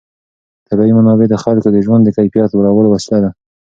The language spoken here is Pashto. طبیعي منابع د خلکو د ژوند د کیفیت لوړولو وسیله ده.